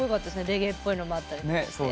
レゲエっぽいのもあったりとかして。